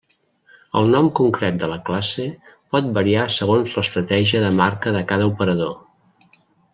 El nom concret de la classe pot variar segons l'estratègia de marca de cada operador.